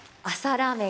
ラーメン